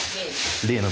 例の。